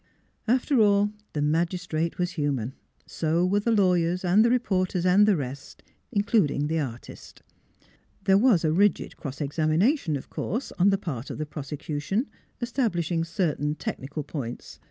" After all, the magistrate was human. So were the lawyers and the reporters and the rest in 342 NEIGHBORS eluding the artist. There was a rigid cross examination, of course, on the part of the prose cution, establishing certain technical points.